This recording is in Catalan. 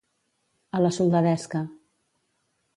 A la soldadesca.